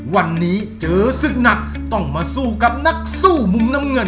วันนี้เจอศึกหนักต้องมาสู้กับนักสู้มุมน้ำเงิน